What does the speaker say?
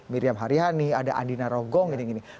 miriam haryani ada andina rogong ini ini